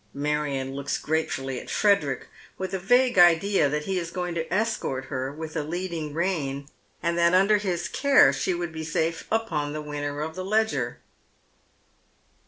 Marion looks gratefully at Frederick, with a vague idea that he is going to escort her with a leading rein, and that under his care she would be safe upon the winner of the Leger.